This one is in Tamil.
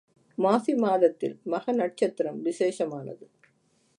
மாசி மாதத்தில் மக நட்சத்திரம் விசேஷமானது.